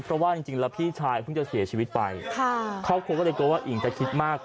เพราะว่าจริงแล้วพี่ชายเพิ่งจะเสียชีวิตไปครอบครัวก็เลยกลัวว่าอิ๋งจะคิดมาก